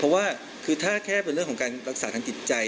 ถ้าเกี่ยวกันเรื่องการรักษาทางจิตใจ